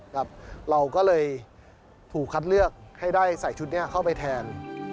เราก็เลยถูกคัดเลือกให้ได้ใส่ชุดนี้เข้าไปแทน